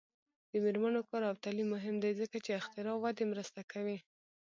د میرمنو کار او تعلیم مهم دی ځکه چې اختراع ودې مرسته کوي.